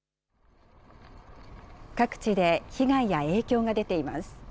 各地で被害や影響が出ています。